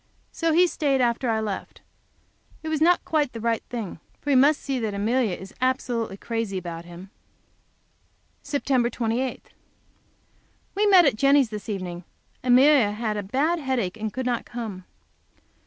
So he stayed after I left. It was not quite the thing in him, for he must see that Amelia is absolutely crazy about him. Sept. 28. We met at Jenny's this evening. Amelia had a bad headache and could not come.